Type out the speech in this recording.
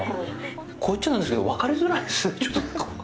こう言っちゃなんですけど、分かりづらいですよね、ちょっと。